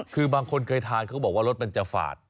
คือบางคนเคยทานเขาบอกว่ารสมันจะฝาด